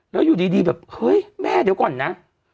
แล้วอยู่ดีแบบเฮ้ยแม่เดี๋ยวก่อนนะ